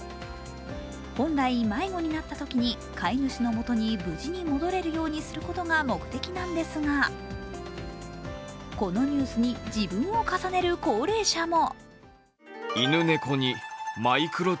本来、迷子になったときに飼い主のもとに無事に戻れるようにすることが目的なんですがこのニュースに自分を重ねる高齢者も。